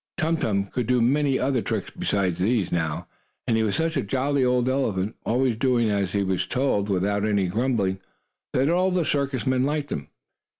Tum Tum could do many other tricks besides these now, and he was such a jolly old elephant, always doing as he was told without any grumbling, that all the circus men liked him.